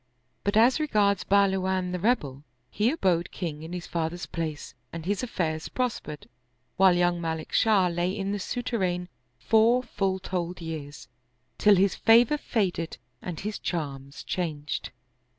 But as regards Buhlawan the Rebel, he abode king in his father's place and his affairs prospered, while young Malik Shah lay in the souterrain four full fold years, till his favor faded and his charms changed.